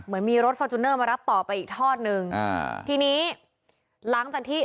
เหมือนมีรถฟอร์จูเนอร์มารับต่อไปอีกทอดหนึ่งอ่าทีนี้หลังจากที่